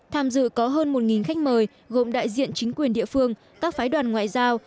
tham dự có hơn một khách mời gồm đại diện chính quyền địa phương các phái đoàn ngoại giao